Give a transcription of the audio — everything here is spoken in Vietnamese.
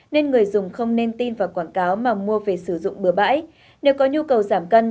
nên người dùng không nên tin vào quảng cáo mà mua về sử dụng bừa bãi nếu có nhu cầu giảm cân